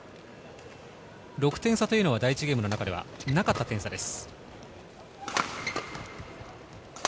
６点差は第１ゲームの中ではなかった点差です。